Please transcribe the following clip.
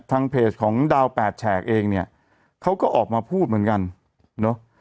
ทางเพจของดาวแปดแฉกเองเนี่ยเขาก็ออกมาพูดเหมือนกันเนอะ